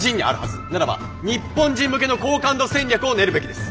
ならば日本人向けの好感度戦略を練るべきです。